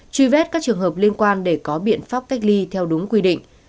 truy vết các trường hợp liên quan để có biện pháp cách ly theo đúng quy định